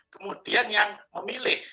kemudian yang memilih